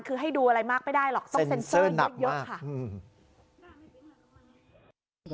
คือให้ดูอะไรมากไม่ได้หรอกต้องเซ็นเซอร์เยอะค่ะ